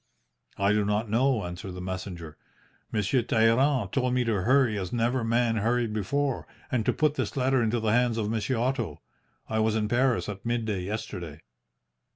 "'I do not know,' answered the messenger. 'Monsieur Talleyrand told me to hurry as never man hurried before, and to put this letter into the hands of Monsieur Otto. I was in Paris at midday yesterday.'